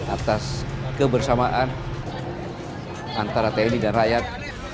atas kebersamaan antara tni dan rakyat